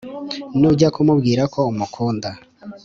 nujya kumubwira ko umukunda,